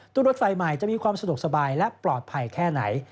รถไฟใหม่จะมีความสะดวกสบายและปลอดภัยแค่ไหน